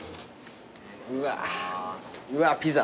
うわうわピザ。